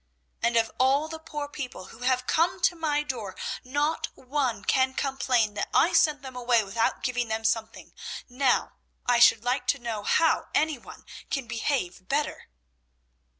And of all the poor people who have come to my door, not one can complain that I sent them away without giving them something. Now, I should like to know how any one can behave better!"